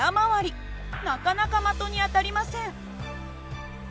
なかなか的に当たりません。